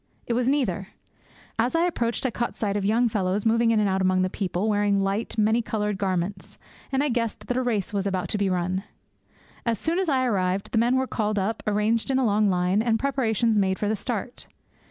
It was neither. As I approached I caught sight of young fellows moving in and out among the people, wearing light many coloured garments, and I guessed that a race was about to be run. Almost as soon as I arrived, the men were called up, arranged in a long line, and preparations made for the start.